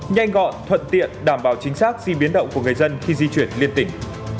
nhanh gọn thuận tiện đảm bảo chính xác di biến động của người dân khi di chuyển liên tỉnh